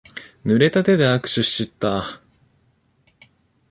ぬれた手で握手しちった。